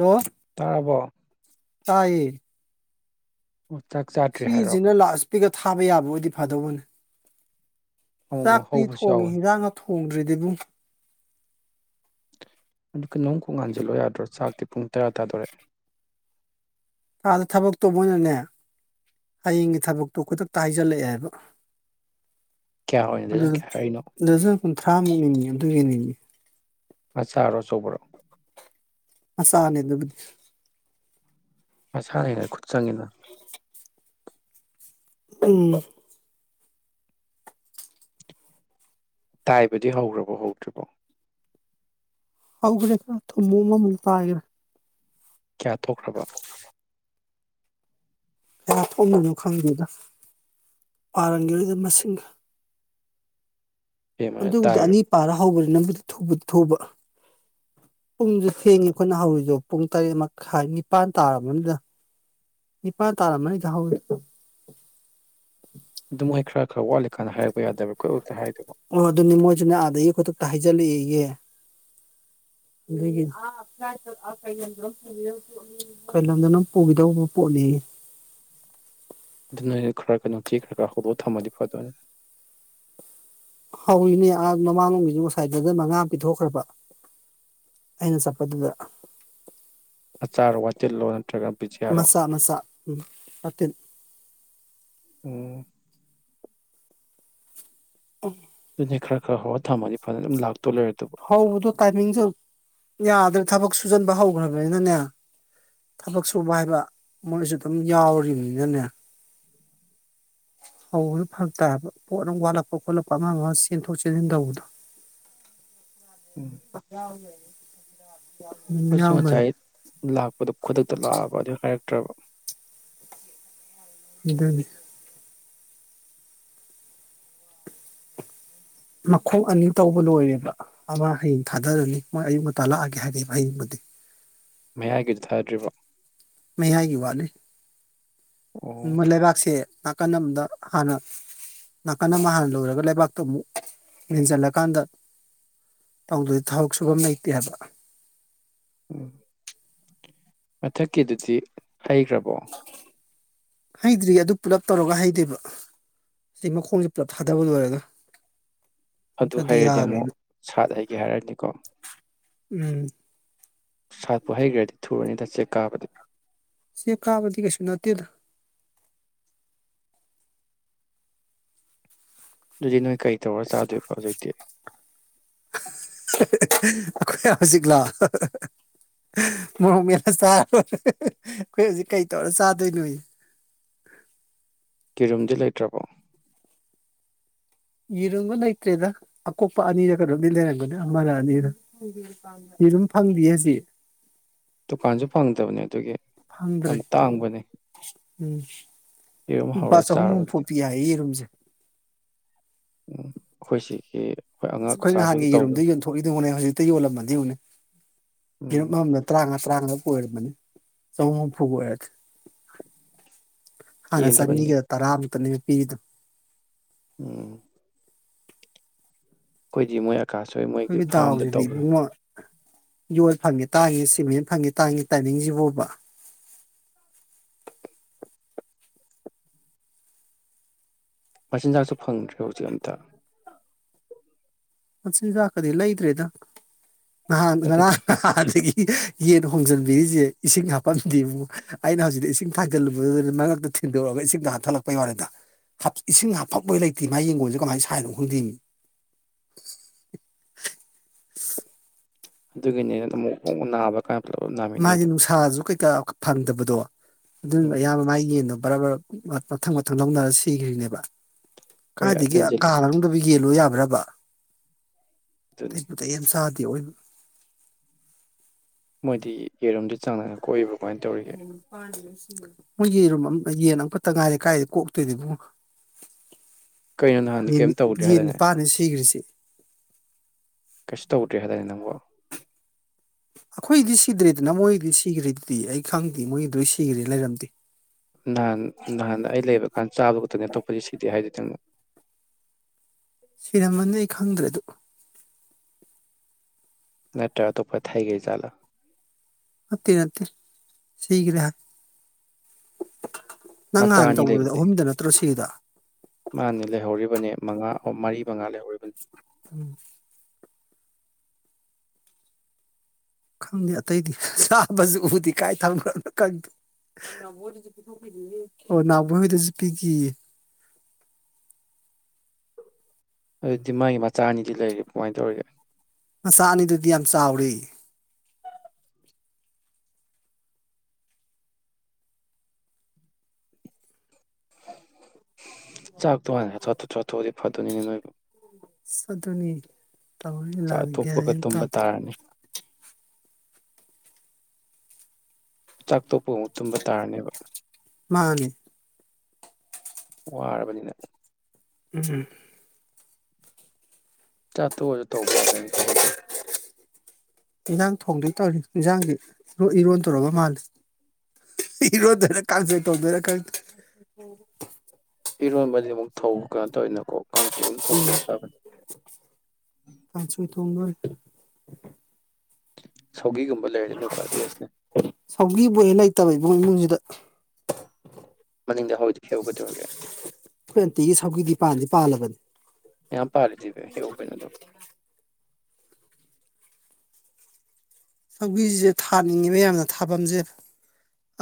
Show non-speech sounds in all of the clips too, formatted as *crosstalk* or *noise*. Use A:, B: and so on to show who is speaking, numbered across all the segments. A: ꯑꯣ
B: ꯇꯥꯔꯕꯣ
A: ꯇꯥꯏꯌꯦ
B: ꯑꯣ ꯆꯥꯛ ꯆꯥꯗ꯭ꯔꯦ ꯍꯥꯏꯔꯣ
A: ꯑꯄꯤꯛꯇ ꯊꯥꯕ ꯌꯥꯕ ꯑꯣꯏꯗꯤ ꯐꯗꯧꯕꯅꯦ
B: ꯑꯃꯨꯛꯃꯨꯛ
A: ꯆꯥꯛꯇꯤ
B: ꯍꯧꯕꯁꯨ
A: ꯊꯣꯡꯏ
B: ꯌꯥꯎꯕꯅꯤ
A: ꯏꯟꯖꯥꯡꯒ ꯍꯣꯡꯗ꯭ꯔꯤꯗ ꯏꯕꯨꯡ
B: ꯑꯗꯨꯒ ꯅꯣꯡ ꯈꯣꯡꯍꯥꯟꯁꯤꯜꯂꯣ ꯌꯥꯗ꯭ꯔꯣ ꯆꯥꯛꯇꯤ ꯄꯨꯡ ꯇꯔꯥ ꯇꯥꯗꯣꯔꯦ
A: ꯑꯥꯗ ꯊꯕꯛꯇꯣ ꯃꯣꯏꯅꯅꯦ ꯍꯌꯦꯡꯒꯤ ꯊꯕꯛꯇꯣ ꯈꯨꯗꯛꯇ ꯍꯥꯏꯖꯤꯜꯂꯛꯑꯦꯕ
B: ꯀꯌꯥ ꯑꯣꯏꯅ
A: ꯑꯗꯨ
B: ꯂꯩꯖꯟꯒꯦ ꯍꯥꯏꯔꯛꯏꯅꯣ
A: ꯑꯗꯨꯁꯨ ꯊ꯭ꯔꯥꯝꯃꯅꯤꯅꯤ ꯑꯗꯨ ꯒꯤꯅꯦꯃꯤ
B: ꯃꯆꯥꯔꯣ ꯑꯆꯧꯕꯔꯣ
A: ꯃꯆꯥꯅꯦ ꯑꯗꯨꯕꯨꯗꯤ
B: ꯃꯥꯁꯥꯅ ꯈꯨꯠ ꯆꯪꯉꯤꯅ
A: ꯎꯝ
B: ꯇꯥꯏꯕꯗꯤ ꯍꯧꯈ꯭ꯔꯕꯣ ꯍꯧꯗ꯭ꯔꯤꯕꯣ
A: ꯍꯧ꯭ꯔꯦ ꯊ ꯃꯃ ꯃꯜꯇ ꯍꯥꯏ꯭ꯔꯦ *unintelligible*
B: ꯀꯌꯥ ꯊꯣꯛꯈ꯭ꯔꯕ
A: ꯀꯌꯥ ꯊꯣꯛꯕꯅꯣ ꯈꯪꯗꯦꯗ ꯄꯥꯔꯝꯒꯤꯔꯣꯏꯗ ꯃꯁꯤꯡꯒ
B: ꯕꯦꯝꯃꯅ
A: ꯑꯗꯨꯕꯨꯗꯤ
B: ꯇꯥꯏꯔꯤꯔꯣ
A: ꯑꯅꯤ ꯄꯔ ꯍꯧꯒ꯭ꯔꯦ ꯊꯨꯕꯗꯤ ꯊꯨꯕ ꯄꯨꯡꯁꯨ ꯊꯦꯡꯉꯦ ꯑꯩꯈꯣꯏꯅ ꯍꯧꯔꯤꯁꯨꯣ ꯄꯨꯡ ꯇꯔꯦꯠ ꯃꯈꯥꯏ ꯅꯤꯄꯥꯟ ꯇꯥꯔꯕꯅꯤꯗ ꯏꯄꯥꯟ ꯇꯔꯝꯃꯅꯤ *unintelligible*
B: ꯑꯗꯨ ꯃꯣꯏ ꯈꯔ ꯈꯔ ꯋꯥꯠꯂꯤꯦ ꯀꯥꯟꯗ ꯍꯥꯏꯔꯛꯄ ꯌꯥꯗꯕ
A: ꯑꯣ ꯑꯗꯨꯅꯤ ꯃꯣꯏꯁꯨꯅꯦ ꯑꯥꯗꯗꯒꯤ ꯈꯨꯗꯛꯇ ꯍꯥꯏꯖꯜꯂꯛꯏꯒ ꯀꯩꯂꯝꯗꯅꯣ ꯄꯨꯈꯤꯗꯧꯕ ꯄꯣꯠꯅꯦ
B: ꯑꯗꯨꯅ ꯈꯔꯒ ꯅꯨꯡꯇꯤ ꯈꯔꯒꯔ ꯍꯧꯕ ꯊꯝꯃꯗꯤ ꯐꯗꯣꯅꯤ
A: ꯍꯧꯔꯤꯅꯦ ꯑꯥ ꯃꯃꯥꯡꯂꯣꯝꯒꯤꯁꯤ ꯉꯁꯥꯏꯗꯨꯗ ꯃꯉꯥ ꯄꯤꯊꯣꯛꯈ꯭ꯔꯕ ꯑꯩꯅ ꯆꯠꯄꯗꯨꯗ
B: ꯑꯆꯥꯔꯣ ꯋꯥꯇꯤꯜꯂꯣ ꯅꯠꯇ꯭ꯔꯒ ꯕꯤꯖꯤꯌꯥꯔꯣ
A: ꯃꯆꯥ ꯃꯆꯥ ꯎꯝ ꯃꯇꯤꯟ
B: ꯎꯝ
A: ꯑꯣ
B: ꯑꯗꯨꯅꯦ ꯈꯔ- ꯈꯔ ꯍꯔꯒ ꯊꯝꯃꯗꯤ ꯐꯗꯧꯅꯦ ꯑꯗꯨꯝ ꯂꯥꯛ
A: ꯍꯥꯎꯕꯗꯨ ꯇꯥꯏꯃꯤꯖꯨ ꯌꯥꯗ꯭ꯔꯦ ꯊꯕꯛꯁꯨ ꯁꯨꯖꯟꯕ ꯍꯧꯈ꯭ꯔꯕꯅꯤꯅꯅꯦ ꯊꯕꯛ ꯁꯨꯕ ꯍꯥꯏꯕ ꯃꯣꯏꯁꯨ ꯑꯗꯨꯝ ꯌꯥꯎꯔꯤꯕꯅꯤꯅꯅꯦ ꯍꯧꯕꯗꯨ ꯐꯔꯛꯇꯥꯕ ꯄꯣꯠ ꯑꯃ ꯋꯥꯠꯂꯛꯄ -ꯈꯣꯠꯂꯛꯄ ꯑꯃ- ꯑꯃ ꯆꯦꯟꯊꯣꯛ ꯆꯦꯟꯁꯤꯟ ꯇꯧꯕꯗꯣ
B: ꯎꯝ
A: ꯌꯥ ꯂꯩ ꯎꯝ
B: ꯑꯩꯈꯣꯏꯁꯨ
A: ꯌꯥꯎꯗꯣꯏꯅꯦ
B: ꯉꯁꯥꯏ ꯂꯥꯛꯄꯗꯣ ꯈꯨꯗꯛꯇ ꯂꯥꯛ ꯑꯕ ꯑꯗꯨ ꯇꯔꯕꯣ
A: ꯑꯗꯨꯅꯤ ꯃꯈꯣꯡ ꯑꯅꯤ ꯇꯧꯕ ꯂꯣꯏꯔꯦꯕ ꯑꯃ ꯍꯌꯦꯡ ꯊꯥꯗꯔꯅꯤ ꯃꯣꯏ ꯑꯌꯨꯛ ꯉꯟꯇꯥ ꯂꯥꯛꯑꯒꯦ ꯍꯥꯏꯔꯛꯑꯦꯕ ꯍꯌꯦꯡꯕꯨꯗꯤ
B: ꯃꯌꯥꯏꯒꯤꯗ
A: ꯃꯌꯥꯏꯒꯤ ꯋꯥꯠꯂꯤ
B: ꯑꯣ
A: ꯃꯣꯏ ꯂꯩꯕꯥꯛꯁꯦ ꯑ ꯀꯟ ꯑꯃꯗ ꯍꯥꯟꯅ -ꯅꯥꯀꯟ ꯑꯃ ꯍꯥꯟꯅ ꯂꯣꯏꯔꯒ ꯂꯩꯕꯥꯛꯇꯨ ꯑꯃꯨꯛ ꯃꯦꯟꯖꯜꯂꯀꯥꯟꯗ ꯇꯧꯗ꯭ꯔꯗꯤ ꯊꯕꯛ ꯁꯨꯐꯝ ꯂꯩꯇꯦ ꯍꯥꯏꯕ
B: ꯎꯝ ꯃꯊꯛꯀꯤꯗꯨꯗꯤ ꯍꯩꯈ꯭ꯔꯕꯣ
A: ꯍꯩꯗ꯭ꯔꯤ ꯑꯗꯨ ꯄꯨꯂꯞ ꯇꯧꯔꯒ ꯍꯩꯗꯣꯏꯕ ꯁꯤ ꯃꯈꯣꯡꯪꯁꯤ ꯄꯨꯂꯞ ꯊꯥꯗꯕ ꯂꯣꯏꯔꯒ
B: ꯑꯗꯨ
A: ꯅꯠꯇ꯭ꯔꯗꯤ
B: ꯍꯩꯔꯗꯤ ꯑꯃꯨꯛ
A: ꯌꯥꯔꯣꯏꯅ
B: ꯁꯥꯠ ꯍꯩꯏꯒꯦ ꯍꯥꯏꯔꯅꯤꯀꯣ
A: ꯎꯝ
B: ꯁꯥꯠꯄꯨ ꯍꯩꯒ꯭ꯔꯗꯤ ꯊꯨꯔꯅꯤꯗ ꯆꯦꯛ ꯀꯥꯕꯗꯤ
A: ꯆꯦꯛ ꯀꯥꯕꯗꯤ ꯀꯩꯁꯨ ꯅꯠꯇꯦꯗ
B: ꯑꯗꯨꯗꯤ ꯅꯣꯏ ꯀꯩ ꯇꯧꯔ ꯆꯥꯗꯣꯏꯕ ꯍꯧꯖꯤꯛꯇꯤ
A: ꯑꯩꯈꯣꯏ ꯍꯧꯖꯤꯛ ꯂꯣ ꯍꯥꯍꯥꯍꯥ ꯃꯣꯔꯣꯛ ꯃꯦꯠꯄ ꯆꯥꯔ ꯂꯣꯏꯔꯦ ꯍꯤꯍꯤꯍꯤ ꯑꯩꯈꯣꯏ ꯍꯧꯖꯤꯛ ꯀꯩ ꯇꯧꯔ ꯆꯥꯗꯣꯏꯅꯣ ꯌꯦ
B: ꯀꯤꯔꯨꯝꯗꯤ ꯂꯩꯇ꯭ꯔꯕꯣ
A: ꯌꯦꯔꯨꯝꯒ ꯂꯩꯇ꯭ꯔꯦꯗ ꯑꯀꯣꯛꯄ ꯑꯅꯤꯔ ꯀꯩꯅꯣꯝꯗꯤ ꯂꯩꯔꯝꯒꯅꯤ ꯑꯃꯔ- ꯑꯅꯤꯔ ꯌꯦꯔꯨꯝ ꯐꯪꯗꯤꯌꯦ ꯍꯧꯖꯤꯛ
B: ꯗꯨꯀꯥꯟꯁꯨ ꯐꯪꯗꯕꯅꯦ ꯑꯗꯨꯒꯤ
A: ꯐꯪꯗ꯭ꯔꯦ
B: ꯌꯥꯝ ꯇꯥꯡꯕꯅꯦ
A: ꯎꯝ
B: ꯌꯦꯔꯨꯝ
A: ꯂꯨꯄꯥ
B: ꯍꯧꯔ
A: ꯆꯍꯨꯝ ꯍꯨꯝꯐꯨ
B: ꯆꯥꯔꯕꯗꯤ
A: ꯄꯤ ꯍꯥꯏꯌꯦ ꯌꯦꯔꯨꯝꯖꯦ
B: ꯑꯈꯣꯏꯁꯤꯒꯤ
A: ꯑꯩꯈꯣꯏ ꯅꯍꯥꯟꯒꯤ ꯌꯦꯔꯨꯝꯗ ꯌꯣꯟꯊꯣꯛꯏꯗꯨꯕꯨꯅꯦ ꯍꯧꯖꯤꯛꯇ ꯌꯣꯜꯂꯝꯃꯗꯤ ꯌꯦꯡꯉꯨꯅꯦ
B: ꯎꯝ
A: ꯌꯦꯔꯨꯝ ꯑꯃꯃꯝꯗ ꯇꯔꯥꯉꯥ -ꯇꯔꯥꯃꯉꯥ ꯑꯣꯏꯔꯕꯅꯦ ꯆꯍꯨꯝ ꯍꯨꯝꯐꯨ ꯑꯣꯏꯔꯗꯤ ꯍꯅ
B: ꯀꯦꯜꯂꯤꯕꯅꯤꯅꯦ
A: ꯆꯅꯤꯒꯤ ꯇꯔꯥꯃꯨꯛ ꯑꯗꯨꯅꯤ ꯄꯤꯗꯨ
B: ꯎꯝ ꯑꯈꯣꯏꯗꯤ ꯃꯣꯏ ꯑ
A: ꯑꯩꯈꯣꯏꯒꯤ ꯗꯥꯎꯖꯤꯗꯤ ꯏꯕꯨꯉꯣ ꯌꯣꯜ ꯐꯪꯉꯤ ꯇꯥꯡꯉꯤ ꯁꯤꯃꯦꯟ ꯐꯪꯉꯤ ꯇꯥꯡꯉꯤ ꯇꯥꯏꯃꯤꯡꯁꯤꯕꯣꯕꯥ
B: ꯃꯆꯤꯟꯖꯥꯛꯁꯨ ꯐꯪꯗ꯭ꯔꯦ ꯍꯧꯖꯤꯛ ꯑꯝꯇ
A: ꯃꯆꯤꯟꯖꯥꯀꯗꯤ ꯂꯩꯗꯔ꯭ꯦꯗ ꯅꯍꯥꯟ
B: ꯑꯗꯨꯗꯤ
A: ꯉꯔꯥꯡ ꯅꯥꯍꯟꯗꯒꯤ ꯌꯦꯟ ꯍꯣꯡꯖꯤꯟꯕꯤꯔꯤꯁꯦ ꯏꯁꯤꯡ ꯍꯥꯞꯐꯝꯗꯦ ꯑꯩꯅ ꯍꯧꯖꯤꯛꯇ ꯏꯁꯤꯡ ꯊꯥꯏꯖꯤꯜꯂꯨꯕꯅꯦ ꯃꯔꯛꯇ ꯊꯤꯟꯗꯣꯔꯛꯑꯒ ꯏꯁꯤꯡꯗ ꯍꯥꯟꯊꯠꯂꯛꯄ ꯌꯥꯎꯔꯦꯗ ꯏꯁꯤꯡ ꯍꯥꯞꯄꯝꯕꯩ ꯂꯩꯇꯦ ꯃꯥ ꯌꯦꯡꯒꯣꯟꯁꯦ ꯀꯃꯥꯏꯅ ꯁꯥꯏꯅꯣ ꯈꯪꯗꯦꯃꯤ
B: ꯑꯗꯨꯒꯤꯅꯦ ꯑꯃꯨꯛ ꯅꯥꯕ ꯀꯥꯅ
A: ꯃꯥꯁꯦ ꯅꯨꯡꯁꯥꯁꯨ ꯀꯩꯀꯥ ꯐꯪꯗꯕꯗꯣ ꯑꯗꯨꯅ
B: ꯎꯝ
A: ꯑꯌꯥꯝꯕ ꯃꯥꯒꯤ ꯌꯦꯟꯗꯣ ꯕꯔꯥ ꯕꯔ ꯃꯊꯪ ꯃꯊꯪ ꯂꯧꯅꯔ ꯁꯤꯈ꯭ꯔꯤꯅꯦꯕ
B: ꯍꯣꯏ
A: ꯀꯥꯏꯗꯒꯤ
B: ꯆꯟꯖꯤꯜ
A: ꯀꯥ ꯃꯅꯨꯡꯗꯕꯨ ꯌꯦꯟ ꯂꯣꯌ ꯌꯥꯕꯔꯣ ꯔꯕ
B: ꯑꯗꯨꯅꯤ
A: *unintelligible* ꯄꯨꯗꯩꯩ ꯌꯥꯝ ꯗꯤ ꯑꯣꯏ
B: ꯃꯣꯏꯗꯤ ꯌꯦꯔꯣꯝꯗꯤ ꯆꯥꯡ ꯅꯥꯏꯟ ꯀꯣꯛꯏꯕꯔꯣ
A: ꯎꯝ ꯄ *unintelligible* ꯃꯣꯏ ꯌꯦꯔꯨꯝ ꯌꯦꯟ ꯑꯃꯈꯛꯇ ꯉꯥꯏꯔꯦ ꯀꯥꯏꯗ ꯀꯣꯛꯇꯣꯏꯗꯨꯕꯨ
B: ꯀꯩꯅꯣ ꯅꯍꯥꯟꯗꯤ
A: ꯌꯦꯅꯤ
B: ꯀꯩꯝ ꯇꯧꯗ꯭ꯔꯦ
A: ꯌꯦꯅ
B: ꯍꯥꯏꯗꯥꯏꯅꯦ
A: ꯅꯤꯄꯥꯟꯅꯤ ꯁꯤꯈꯔꯤꯁꯤ
B: ꯀꯩꯁꯨ ꯗꯔ꯭ꯦ ꯍꯥꯏꯗꯥꯏ ꯅꯪꯕ
A: ꯑꯩꯈꯣꯏꯗꯤ ꯁꯤꯗ꯭ꯔꯦꯗꯅ ꯃꯣꯏꯒꯤꯗꯤ ꯁꯤꯈ꯭ꯔꯦꯗꯤ ꯑꯩ ꯈꯪꯗꯦ ꯃꯣꯏꯒꯤꯗ ꯁꯤꯈ꯭ꯔꯦ ꯂꯩꯔꯝꯗꯦ
B: ꯅꯍꯥꯟ ꯅꯍꯥꯟ ꯑꯩ ꯂꯩꯕ ꯀꯥꯟꯗ ꯆꯥꯕ ꯈꯛꯇꯪꯅꯦ ꯑ ꯇꯣꯞꯄꯗꯤ ꯁꯤꯗꯦ ꯍꯥꯏꯗꯨꯗꯤ ꯃ
A: ꯁꯤꯔꯝꯃꯅꯤ ꯑꯩ ꯈꯪꯗ꯭ꯔꯦ ꯑꯗꯨ
B: ꯅꯠ ꯑꯇꯣꯄ ꯊꯩꯒꯩꯖꯠꯂꯣ
A: ꯑꯠꯇꯦ ꯅꯠꯇꯦ ꯁꯒ꯭ꯔꯦ ꯍꯥꯏ ꯅꯡ
B: ꯃꯆꯥ
A: ꯅꯍꯥꯟ
B: ꯑꯅꯤ
A: ꯇꯧꯕꯗꯨꯗꯤ
B: ꯂꯩꯕꯗꯤ
A: ꯑꯍꯨꯝꯗ ꯅꯠꯇ꯭ꯔꯣ ꯁꯤꯒꯔ꯭ꯤꯗꯣ
B: ꯃꯥꯅꯦ ꯂꯩꯍꯧꯔꯤꯕꯅꯦ ꯃꯉꯥ ꯑꯣ ꯃꯔꯤ ꯃꯉꯥ ꯂꯩ
A: ꯎꯝ ꯈꯪꯗꯦ ꯑꯇꯩꯗꯤ ꯆꯥꯕꯁꯨ ꯎꯗꯤ ꯀꯥꯏ ꯊꯕꯣꯅꯣ ꯈꯪꯗꯦ ꯑꯣ ꯅꯍꯕꯣꯏ ꯍꯣꯏꯗꯁꯨ ꯄꯤꯈꯤꯌꯦ
B: ꯑꯗꯨꯗꯤ ꯃꯥꯒꯤ ꯃꯆꯥ ꯑꯅꯤꯗꯤ ꯂꯩꯔꯤꯕꯣ ꯀꯃꯥꯏꯅ ꯇꯧꯔꯤꯒꯦ
A: ꯁꯥ ꯑꯅꯤꯗꯨꯗꯤ ꯌꯥꯝ ꯆꯥꯎꯔꯤ
B: *inaudible* ꯆꯥꯛ ꯇꯨ ꯍꯥꯟ *unintelligible* *unintelligible* ꯐꯗꯣꯏꯅꯤꯅꯦ ꯅꯣꯏꯕ
A: ꯎꯟ ꯑꯗꯨꯨꯅꯤꯅꯦ
B: ꯆꯥꯛꯊꯣꯛꯄꯒ ꯇꯨꯝꯕ ꯇꯥꯔꯅꯤ ꯆꯥꯛ ꯇꯣꯛ ꯄꯨꯡ ꯇꯨꯝꯕ ꯇꯥꯔꯅꯦꯕ
A: ꯃꯥꯅꯦ
B: ꯋꯥꯔꯕꯅꯤꯅ
A: ꯎꯝ
B: ꯆꯥꯠꯇꯣꯛꯑꯁꯨ ꯇꯧꯕ ꯌꯥꯏ ꯀꯩꯅꯣ ꯊꯕꯛꯇꯣ
A: ꯏꯟꯖꯥꯡ ꯊꯣꯡꯗꫭꯏ ꯇꯧꯔꯤ ꯏꯟꯁꯥꯡꯗꯤ ꯏꯔꯣꯟ ꯇꯧꯔꯕ ꯃꯥꯜꯂꯤ ꯏꯔꯣꯟꯗꯣꯏꯔ ꯀꯥꯡꯁꫭꯏ ꯇꯧꯗꯣꯏꯔꯥ
B: ꯏꯔꯣꯟꯕꯗꯤ ꯑꯃꯨꯛ ꯊꯧꯕ ꯀꯩꯅꯣ ꯇꯧꯋꯤꯅꯀꯣ ꯀꯥꯡꯁꯣꯏ ꯑꯗꯨ ꯊꯣꯡꯅꯤꯡꯕ ꯐꯕꯅꯤ
A: ꯀꯥꯡꯁꯣꯏ ꯊꯣꯡꯗꯣꯔꯤ
B: *inaudible* ꯂꯩꯔꯗꯤ ꯑꯗꯨꯅ ꯈ꯭ꯋꯥꯏ ꯕꯦꯁꯅꯦ
A: ꯁꯧꯒꯤꯕꯨꯍꯦ ꯂꯩꯇꯕ ꯏꯕꯨꯡꯉꫭ ꯏꯃꯨꯡꯁꯤꯗ
B: ꯃꯅꯤꯡꯗ ꯍꯧꯔꯤꯗꯨꯗ ꯍꯦꯛꯎ ꯀꯩꯗꯧꯔꯒꯦ
A: ꯄꯥꯜꯕꯅꯤ
B: ꯌꯥꯝ ꯄꯥꯜꯂꯤꯗꯨꯗꯤ ꯍꯦꯛꯎ ꯀꯩꯅꯣꯗꯣ
A: ꯁꯧꯒꯔꯤꯁꯦ ꯊꯥꯅꯤꯡꯉꯤꯕ ꯌꯥꯝꯅ ꯊꯥꯐꯝꯁꯦ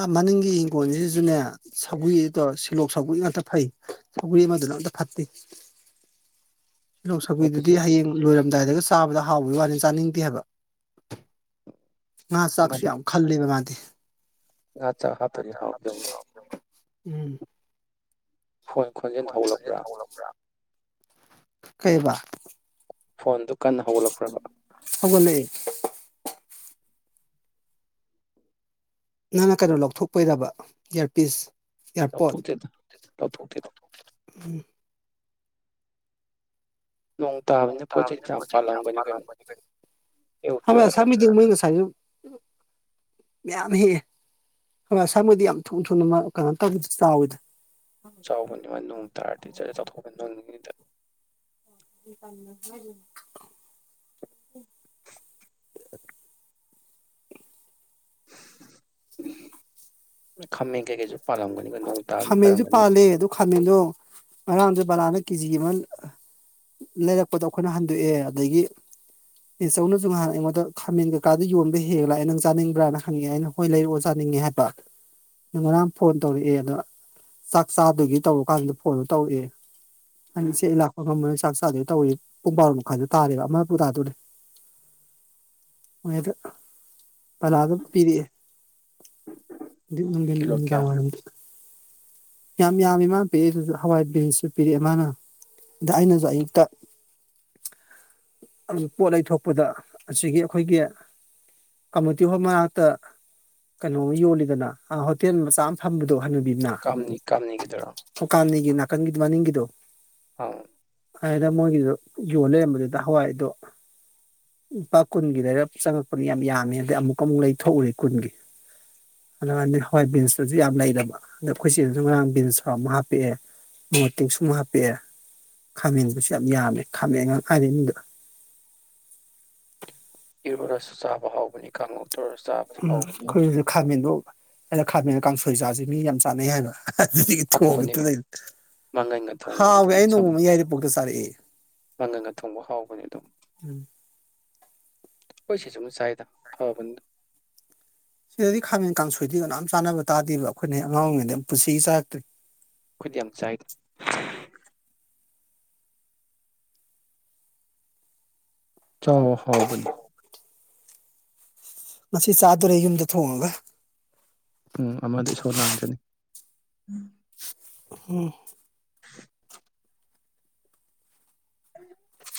A: ꯑ ꯃꯅꯤꯡꯒꯤ ꯍꯤꯡꯈꯣꯜꯁꯤꯁꯨꯅꯦ ꯁꯒꯔꯤꯗꯣ ꯁꯤꯜꯂꯣꯛ ꯁꯧꯒꯔꯤ ꯉꯥꯛꯇ ꯐꯩ ꯁꯧꯒꯔꯤ ꯑꯃꯗꯨꯅ ꯑꯃꯇ ꯐꯠꯇꯦ ꯁꯤꯜꯂꫭꯛ ꯁꯧꯒꯔꯤ ꯗꯨꯗꯤ
B: ꯑꯩꯈꯣꯏꯁꯨ
A: ꯍꯌꯦꯡ ꯂꯣꯏꯔꯝꯗꯥꯏꯗꯒ ꯆꯥꯕꯗ ꯍꯥꯎꯕꯒꯤ ꯋꯥꯅꯤ ꯆꯥꯅꯤꯡꯗꯦ ꯍꯥꯏꯕ ꯉꯥ ꯆꯥꯛꯁꯨ
B: ꯑꯃꯗꯤ
A: ꯌꯥꯝ ꯈꯜ ꯂꯦꯕ ꯃꯥꯗꯤ
B: ꯉꯥ ꯆꯥꯛ ꯍꯥꯞꯇ꯭ꯔꯗꯤ ꯍꯥꯎꯔꯣꯏꯗꯧꯅꯤ
A: ꯎꯝ
B: ꯐꯣꯟ ꯈꯣꯟꯖꯦꯜ ꯊꯣꯛꯠꯂꯛꯄ꯭ꯔꯥ
A: ꯀꯩꯕ
B: ꯐꯣꯟꯗꯨ ꯀꯟꯅ ꯍꯧꯒꯠꯂꯛꯄ꯭ꯔꯕ
A: ꯍꯧꯒꯠꯂꯛꯑꯦ ꯅꯪꯅ ꯀꯩꯅꯣ ꯂꯧꯊꯣꯛꯄꯩꯔꯕ ꯏꯌꯥꯔꯄꯤꯁ ꯏꯌꯥꯔꯄꯣꯠ
B: ꯂꯧꯊꫭꯛꯇꯦꯗ ꯂꯧꯊꫭꯛꯇꯦꯗ
A: ꯅꯣꯡ ꯇꯕꯅꯤ ꯄꯣ ꯆꯩ ꯐꯩꯅꯥꯝ ꯄꯥꯜꯂꯝꯒꯅꯤ ꯀꯩꯅꯣ
B: ꯍꯦꯛꯎꯆꯣ
A: ꯍꯦꯛꯎꯆꯨ ꯌꯗꯔꯥ
B: ꯌꯥꯗ꯭ꯔꯥ
A: ꯃꯌꯥꯝ ꯍꯦꯛꯑꯦ ꯍꯣꯏ ꯁꯥꯥ ꯃꯣꯏꯗꯤ ꯌꯥꯝ ꯊꯨ ꯊꯨꯅ ꯀꯩꯅ ꯇꯧ ꯆꯥꯎꯋꯤꯗ
B: ꯆꯥꯎꯕꯅꯤ ꯃꯥꯅ ꯅꯣꯡ ꯇꯥꯔꯗꯤ ꯖꯔ ꯆꯠꯊꯣꯛꯄꯅꯤ ꯅꯣꯡ ꯇ *unintelligible*
A: ꯍꯥꯏ *unintelligible*
B: ꯈꯝꯃꯦꯟ ꯀꯩꯀꯩꯁꯨ ꯄꯂꯂꯝꯒꯅꯤ
A: ꯈꯥꯃꯦꯟꯁꯨ ꯄꯥꯜꯂꯦ ꯑꯗꯨ ꯈꯥꯃꯦꯟꯗꯣ ꯉꯔꯥꯡꯁꯨ ꯕꯂꯥꯅ ꯀꯦꯖꯤ ꯑꯃ ꯂꯩꯔꯛꯄꯗꯣ ꯑꯩꯈꯣꯏꯅ ꯍꯟꯗꯣꯛꯑꯦ ꯑꯗꯒꯤ ꯏꯆꯧꯅꯁꯨ ꯉꯍꯥꯟ ꯑꯩꯉꯣꯟꯗ ꯈꯥꯃꯦꯟ ꯀꯩꯀꯥꯗ ꯌꯣꯟꯕ ꯍꯦꯛꯂ ꯂꯥꯛꯑꯦ ꯅꯪ ꯆꯥꯅꯤꯡꯕ꯭ꯔꯥꯅ ꯍꯪꯅꯤꯡꯑꯦ ꯑꯩꯅ ꯍꯣꯏ ꯂꯩꯔꯛꯑꯣ ꯆꯥꯅꯤꯡꯉꯦ ꯍꯥꯏꯕ ꯅ ꯉꯔꯥꯡ ꯐꯣꯟ ꯇꯧꯔꯛꯑꯦ ꯑꯗꯣ ꯆꯥꯛ ꯆꯥꯗꯨꯒꯤ ꯇꯧꯔ ꯀꯥꯟꯗꯨꯗ ꯐꯣꯟꯗꯣ ꯇꯧꯔꯛꯑꯦ ꯑꯩꯅ ꯏꯆꯦ ꯑꯩ ꯂꯥꯛꯄ ꯉꯝꯕꯅꯤ ꯆꯥꯛ ꯆꯥꯗꯨꯒꯤ ꯇꯧꯔ ꯄꯨꯡ ꯕꯥꯔꯣ ꯃꯈꯥꯏꯗ ꯇꯥꯔꯦꯕ ꯑꯃꯄꯨ ꯇꯥꯗꯣꯔꯦ ꯃꯣꯏꯗ ꯄꯂꯥꯗ ꯄꯤꯔꯛꯑꯦ
B: ꯀꯤꯂꯣ ꯀꯌꯥ
A: ꯎꯔ *unintelligible* ꯌꯥꯝ ꯌꯥꯝꯃꯤ ꯃꯥꯅ ꯄꯤꯔꯛ ꯏꯗꯨꯁꯨ ꯍꯋꯥꯏ ꯕꯤꯟꯁꯁꯨ ꯄꯤꯔꯛꯑꯦ ꯃꯥꯅ ꯑꯗ ꯑꯩꯅꯁꯨ ꯑꯌꯨꯛꯇ ꯄꯣꯠ ꯂꯩꯊꯣꯛꯄꯗ ꯑꯁꯤꯒꯤ ꯑꯩꯈꯣꯏꯒꯤ ꯀꯝꯃꯨꯅꯤꯇꯤ ꯍꯣꯜ ꯃꯅꯥꯛꯇ ꯀꯩꯅꯣꯃ ꯌꯣꯜꯂꯤꯗꯅ ꯍꯣꯇꯦꯜ ꯃꯆꯥ ꯑꯃ ꯐꯝꯕꯗꯣ ꯍꯅꯨꯕꯤꯝꯅ
B: ꯀꯥꯝꯅꯤꯒꯤ ꯗꯔꯣ
A: *unintelligible* ꯃꯅꯤꯡꯒꯤꯗꯣ
B: ꯍ
A: ꯑꯗꯨꯗ ꯃꯣꯏꯒꯤꯗ ꯌꯣꯟ ꯂꯩꯔꯝꯕꯗꯨꯗ ꯍꯋꯥꯏꯗꯣ ꯂꯨꯄꯥ ꯀꯨꯟꯒꯤꯗꯔ ꯆꯪꯉꯛꯄꯅꯤ ꯌꯥꯝ ꯌꯥꯝꯡꯉ ꯑꯗꯩ ꯑꯃꯨꯛ ꯑꯃꯨꯛ ꯂꯩꯊꯣꯛꯎꯔꯤ ꯀꯨꯟꯒꯤ ꯑꯗꯨꯉꯥꯟꯗ ꯍꯋꯥꯏ ꯕꯤꯟꯁꯇꯁꯨ ꯌꯥꯝ ꯂꯩꯔꯕ ꯑꯗ ꯑꯩꯈꯣꯏꯆꯦ ꯔꯥꯡ ꯕꯤꯟ ꯁ ꯑꯃꯨ ꯍꯥꯞꯄꯛꯑꯦ ꯃꯣꯇꯤ ꯁꯨꯝ ꯍꯥꯞꯄꯛꯑꯦ ꯈꯥꯃꯦꯟꯕꯁꯨ ꯌꯥꯝ ꯌꯥꯝꯃꯦ ꯈꯥꯃꯦꯟ ꯉꯥꯛ ꯉꯥꯏꯔꯦ ꯏꯃꯨꯡꯗ
B: ꯏꯔꯣꯜꯂꯁꯨ ꯆꯥꯕ ꯍꯥꯎꯕꯅꯤ ꯀꯥꯡꯉꯧ ꯇꯧꯔ ꯆꯥꯕꯁꯨ
A: ꯎꯝ
B: ꯍꯥꯎꯕꯅꯤ
A: ꯈꯣꯏꯁꯨ ꯈꯃꯦꯟꯗꯣ ꯑꯩꯅ ꯈꯥꯃꯦꯟ ꯀꯥꯡꯁꯣꯏ ꯆꯁꯤ ꯃꯤ ꯌꯥꯝ ꯆꯥꯅꯩ ꯍꯥꯏꯕ ꯑꯗꯨꯗꯒꯤ ꯊꯣꯡ
B: ꯍꯥꯎꯕꯅꯤ ꯃꯪꯒꯟꯒ ꯊꯣꯡꯉꯣ
A: ꯍꯥꯎꯋꯦ
B: ꯑꯗꯨꯝ
A: ꯑꯩ
B: ꯁꯝ
A: ꯅꯣꯡꯃ ꯃ ꯌꯥꯏꯗ ꯄꯣꯛꯇ ꯆꯥꯔꯛꯑꯦ
B: ꯃꯪꯒꯟꯒ ꯊꯣꯡꯕ ꯍꯥꯎꯕꯅꯤ ꯑꯗꯨꯝ
A: ꯎꯝ
B: *unintelligible* ꯆꯥꯏꯗ ꯐꯕꯅꯦ
A: ꯁꯤꯗꯗꯤ ꯈꯥꯃꯦꯟ ꯀꯥꯡꯁꯣꯏꯗꯤ ꯀꯅꯣꯝ ꯆꯥꯅꯕ ꯇꯥꯗꯦꯕ ꯑꯩꯈꯣꯏꯅ ꯑꯉꯥꯡ ꯑꯣꯏꯔꯤꯉꯩꯗ ꯄꯨꯟꯁꯤꯒꯤ ꯆꯥꯔꯛꯇ꯭ꯔꯤ
B: ꯈꯣꯏꯗꯤ ꯌꯥꯝ ꯆꯥꯏ ꯆꯥꯎꯋꯣ ꯍꯥꯎꯕꯅꯤ
A: ꯉꯁꯤ ꯆꯥꯗꯣꯔꯦ ꯌꯨꯝꯗ ꯊꯣꯡꯉꯒ
B: ꯎꯝ ꯑꯃꯗꯣ ꯏꯁꯧ ꯂꯥꯡꯖꯅꯤ
A: ꯎꯝ
B: *unintelligible*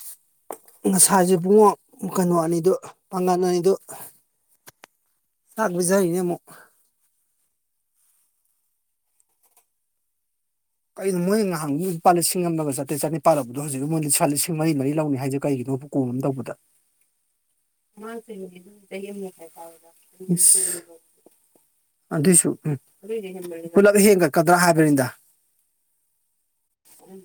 A: ꯉꯁꯥꯏꯁꯦ ꯏꯕꯨꯡꯉꯣ ꯀꯩꯅꯣ ꯑꯅꯤꯗꯨ ꯄꯥꯡꯒꯟ ꯑꯅꯤꯗꯨ *unintelligible* ꯀꯩꯅꯣ ꯃꯣꯏ *unintelligible* ꯂꯨꯄꯥ ꯂꯤꯁꯤꯡ ꯑꯃꯒ ꯆꯥꯇ꯭ꯔꯠ ꯆꯥꯅꯤꯄꯥꯜꯂꯕꯗꯣ ꯍꯧꯖꯤꯛ ꯃꯣꯏ ꯂꯨꯄꯥ ꯂꯤꯁꯤꯡ ꯃꯔꯤ ꯃꯔꯤ ꯂꯧꯅꯤ ꯍꯥꯏꯁꯦ ꯀꯩꯒꯤꯅꯣꯕ ꯀꯣꯝ ꯑꯃ ꯇꯧꯕꯗ *unintelligible* ꯑꯗꯨꯏꯁꯨ ꯎꯝ ꯄꯨꯂꯞ ꯍꯦꯟꯒꯠꯀꯗ꯭ꯔꯥ ꯍꯥꯏꯕꯅꯤꯗ ꯎꯝ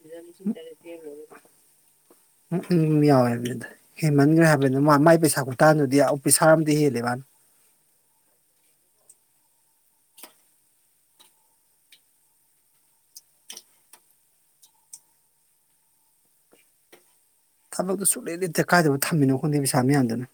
A: ꯎꯝ ꯌꯥꯎꯋꯦ ꯍꯥꯏꯕꯅꯤꯗ ꯍꯦꯟꯃꯟꯈ꯭ꯔꯦ ꯍꯥꯏꯕꯅꯤꯅ ꯃꯥꯏ ꯄꯩꯁꯥ ꯈꯨꯇꯥꯟꯗꯨꯗꯤ ꯑꯣꯐꯤꯁꯥꯔ ꯑꯃꯗꯤꯗꯤ ꯍꯦꯜꯂꯦ ꯃꯥꯅ ꯊꯕꯛꯇꯨ ꯁꯨꯂꯦꯞ ꯂꯦꯞꯇꯦ ꯀꯥꯏꯗꯕꯨ ꯊꯝꯃꯤꯅꯣ ꯈꯣꯗꯦ ꯄꯩꯁꯥ ꯃꯌꯥꯝꯗꯨꯅ